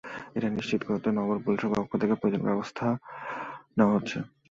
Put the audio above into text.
এটি নিশ্চিত করতে নগর পুলিশের পক্ষ থেকে প্রয়োজনীয় ব্যবস্থা নেওয়া হচ্ছে।